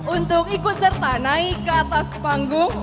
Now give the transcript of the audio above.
untuk ikut serta naik ke atas panggung